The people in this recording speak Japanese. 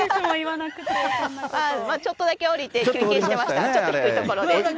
ちょっとだけ下りて、休憩してました、ちょっと低い所で。